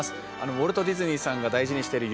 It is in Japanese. ウォルト・ディズニーさんが大事にしている夢